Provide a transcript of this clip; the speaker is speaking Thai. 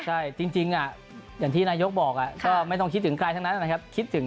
ใช่จริงอย่างที่นายกบอกก็ไม่ต้องคิดถึงใครทั้งนั้นนะครับคิดถึง